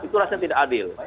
itu rasanya tidak adil